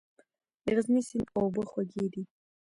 د غزني سیند اوبه خوږې دي